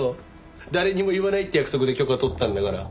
誰にも言わないって約束で許可取ったんだから。